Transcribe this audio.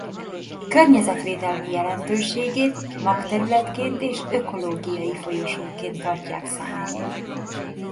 Környezetvédelmi jelentőségét magterületként és ökológiai folyosóként tartják számon.